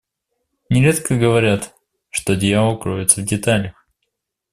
Нередко говорят, что дьявол кроется в деталях.